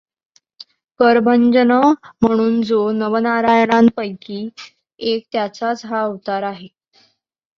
करभंजन म्हणून जो नवनारायणांपैकी एक त्याचाच हा अवतार आहे.